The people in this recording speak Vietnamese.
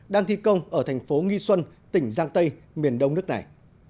đang thi công ở thành phố nghi xuân tỉnh giang tây miền đông nước này